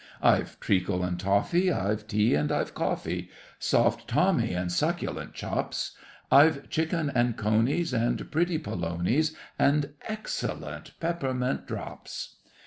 I've treacle and toffee, I've tea and I've coffee, Soft tommy and succulent chops; I've chickens and conies, and pretty polonies, And excellent peppermint drops.